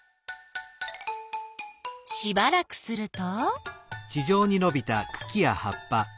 しばらくすると。